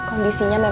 ini orangnya tante em